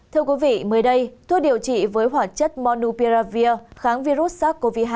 thưa quý vị mới đây thuốc điều trị với hỏa chất monopiravir kháng virus sars cov hai